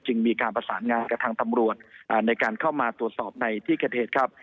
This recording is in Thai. มีการประสานงานกับทางตำรวจในการเข้ามาตรวจสอบในที่เกิดเหตุครับ